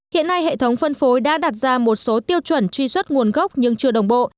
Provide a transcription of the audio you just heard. hiện nay hệ thống phân phối đã đặt ra một số tiêu chuẩn truy xuất nguồn gốc nhưng chưa đồng bộ